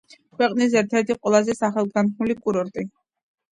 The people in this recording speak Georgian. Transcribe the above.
ქვეყნის ერთ-ერთი ყველაზე სახელგანთქმული კურორტი.